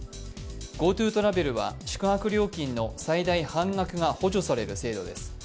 ＧｏＴｏトラベルは、宿泊料金の最大半額が補助される制度です。